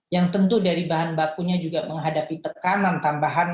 yang tentu dari bahan bakunya juga menghadapi tekanan tambahan